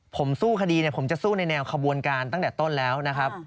ผมสู้คดีผมจะสู้ในแนวขบวนการตั้งแต่ต้นแล้วนะครับ